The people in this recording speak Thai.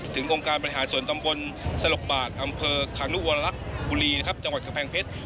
องค์การบริหารส่วนตำบลสลกบาทอำเภอคานุวลักษณ์บุรีนะครับจังหวัดกำแพงเพชร